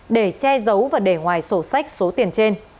để che giấu và để ngoài sổ sách số tiền trên